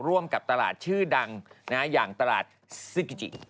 ร่วมกับตลาดชื่อดังอย่างตลาดซึกิ